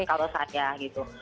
kalau saatnya gitu